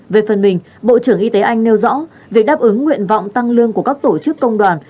về phần mình bộ trưởng y tế anh nêu rõ việc đáp ứng nguyện vọng tăng lương của các tổ chức công đoàn